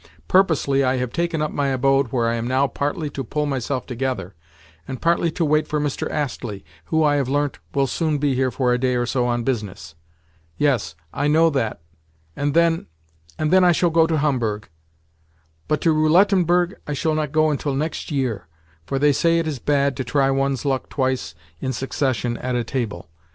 Purposely I have taken up my abode where I am now partly to pull myself together, and partly to wait for Mr. Astley, who, I have learnt, will soon be here for a day or so on business. Yes, I know that, and then—and then I shall go to Homburg. But to Roulettenberg I shall not go until next year, for they say it is bad to try one's luck twice in succession at a table.